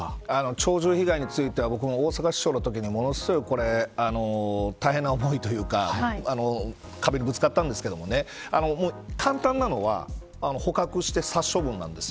鳥獣被害については僕も大阪市長のときにものすごく大変な思いというか壁にぶつかったんですけど簡単なのは捕獲して殺処分なんです。